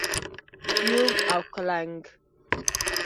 🪏 یوم او کولنګ⛏️